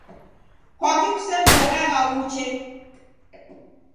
Kwaki kusemzeragha uche